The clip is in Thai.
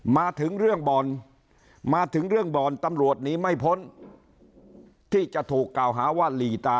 มาถึงเรื่องบ่อนมาถึงเรื่องบ่อนตำรวจหนีไม่พ้นที่จะถูกกล่าวหาว่าหลีตา